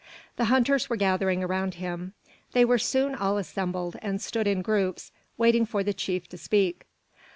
The hunters were gathering around him. They were soon all assembled, and stood in groups, waiting for the chief to speak.